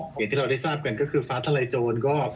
อย่างที่เราได้ทราบกันก็คือฟ้าทะลายโจรก็